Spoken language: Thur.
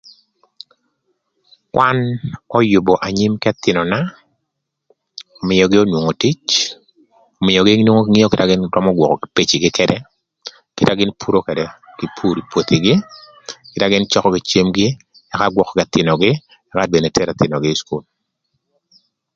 Kwan öyübö anyim k'ëthïnöna ömïögï onwongo tic, ömïögï nongo ngeo kite gïn römö gwökö pecigï këdë, kite na gïn puro këdë, kï pur ï pwothigï, kite gïn cökö kï cemgï, ëka gwökö k'ëthïnögï ëka bene thero ëthïnögï ï cukul